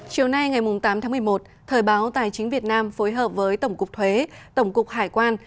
chiều nay ngày tám tháng một mươi một thời báo tài chính việt nam phối hợp với tổng cục thuế tổng cục hải quan